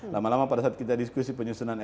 lama lama pada saat kita diskusi penyusunan